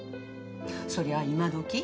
そりゃあ今どき